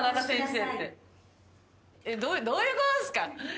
どういうことっすか？